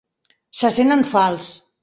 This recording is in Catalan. Se sent en fals.